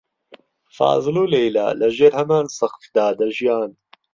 فازڵ و لەیلا لەژێر هەمان سەقفدا دەژیان.